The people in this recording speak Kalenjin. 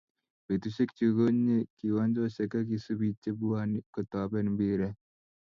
Betushe chu ko nyee kiwanjoshe ak isubii che bwanii kotoben mpiret.